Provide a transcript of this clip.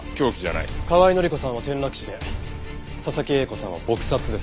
河合範子さんは転落死で佐々木栄子さんは撲殺です。